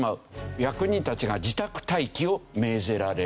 役人たちが自宅待機を命ぜられる。